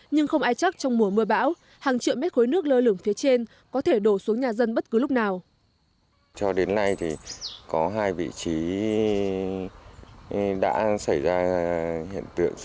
nhưng không ai chắc trong mùa mưa bão hàng triệu mét khối nước lơ lửng phía trên có thể đổ xuống nhà dân bất cứ lúc nào